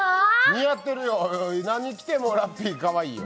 似合ってるよ、何着てもラッピーかわいいよ。